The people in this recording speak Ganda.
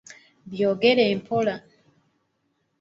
Byogere mpola!